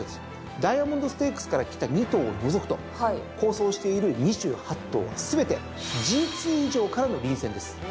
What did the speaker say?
ダイヤモンドステークスから来た２頭を除くと好走している２８頭は全てＧⅡ以上からの臨戦です。